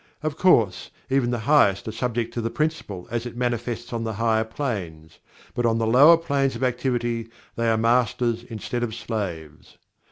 Of course, even the highest are subject to the Principle as it manifests on the higher planes, but on the lower planes of activity, they are Masters instead of Slaves.